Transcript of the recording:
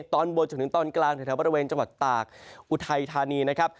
ตอนบนจนถึงตอนกลางแถวบริเวณจังหวัดตากอุทัยธานีนะครับ